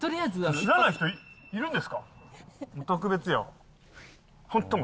知らない人いるんですか？